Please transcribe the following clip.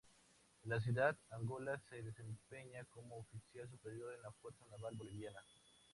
En la actualidad, Angola se desempeña como oficial superior en la Fuerza Naval boliviana.